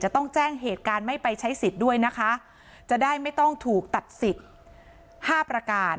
ต้องแจ้งเหตุการณ์ไม่ไปใช้สิทธิ์ด้วยนะคะจะได้ไม่ต้องถูกตัดสิทธิ์ห้าประการ